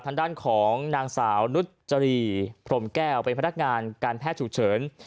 ทางด้านของนางสาวนุจรีพรมแก้วเป็นพนักงานการแพทย์ฉุกเฉิน